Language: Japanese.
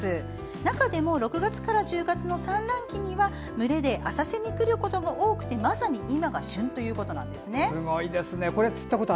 中でも６月から１０月の産卵期には群れで浅瀬に来ることが多くてまさに今が旬ということです。